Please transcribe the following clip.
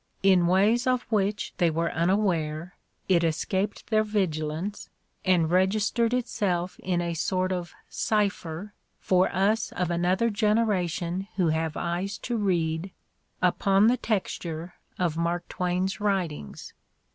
In ways of which they were unaware it escaped their vigilance and registered itself in a sort of cipher, for us of another generation who have eyes to read, upon the texture of Mark Twain's writings.